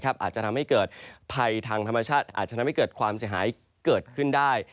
อาจจะทำให้เกิดภัยทางธรรมชาติอาจจะทำให้เกิดความเสียหายเกิดขึ้นได้